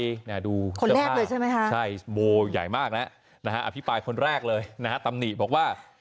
ดูคนแรกเลยใช่ไหมคะใช่โบใหญ่มากแล้วนะฮะอภิปรายคนแรกเลยนะฮะตำหนิบอกว่า